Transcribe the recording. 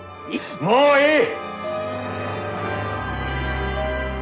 もういい！